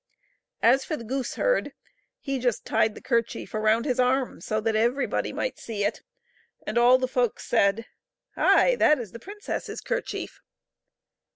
As for the gooseherd he just tied the kerchief around his arm so that everybody might see it ; and all the folks said, " Hi ! that is the princess's kerchief."